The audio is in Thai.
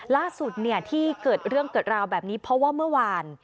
ล่าสุดที่เกิดเรื่องเกิดราวแบบนี้เพราะว่าเมื่อวาน